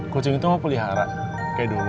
kucing itu aku pelihara kayak dulu